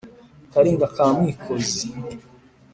karinga ka mwikozi,